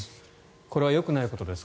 これはよくないことですか？